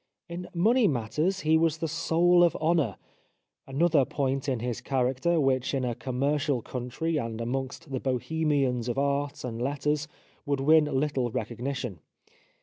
In money matters he was the soul of honour — another point in his character which in a commercial country and amongst the Bohemians of art and letters would win little recognition.